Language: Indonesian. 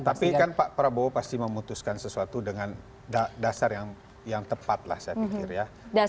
tapi kan pak prabowo pasti memutuskan sesuatu dengan dasar yang tepat lah saya pikir ya